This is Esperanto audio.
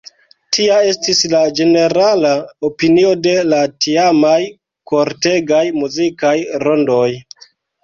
Tia estis la ĝenerala opinio de la tiamaj kortegaj muzikaj rondoj.